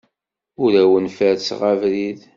Ur awen-ferrseɣ abrid.